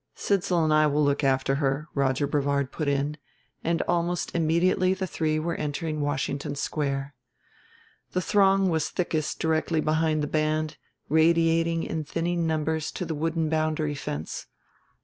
"Sidsall and I will look after her," Roger Brevard put in, and almost immediately the three were entering Washington Square. The throng was thickest directly behind the band, radiating in thinning numbers to the wooden boundary fence.